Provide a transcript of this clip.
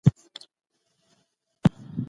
فارابي غوښتل چی انسانان په سوله کي وي.